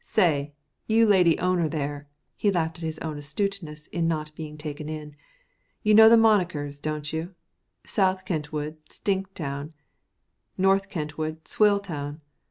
Say, you lady owner there" he laughed at his own astuteness in not being taken in "you know the monikers, don't you? South Kentwood, 'Stinktown'; North Kentwood, 'Swilltown'?"